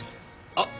あっ！